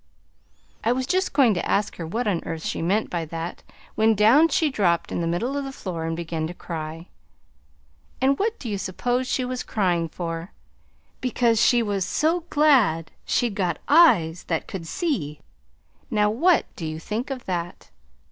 "I was just going to ask her what on earth she meant by that when down she dropped in the middle of the floor and began to cry. And what do you suppose she was crying for? Because she was so glad she'd got eyes that could see! Now what do you think of that?